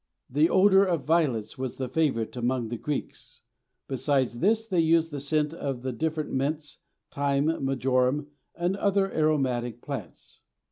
The odor of violets was the favorite among the Greeks; besides this they used the scent of the different mints, thyme, marjoram, and other aromatic plants.